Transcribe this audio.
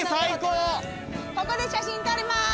ここで写真撮ります。